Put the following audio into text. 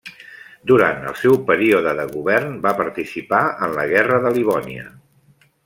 Durant el seu període de govern va participar en la Guerra de Livònia.